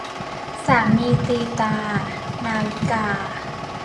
สามีตีตรา - นาวิกา